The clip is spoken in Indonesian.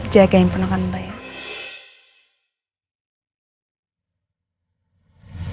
jaga yang pernah kamu bayangkan